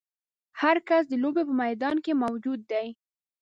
هر کس د لوبې په میدان کې موجود دی.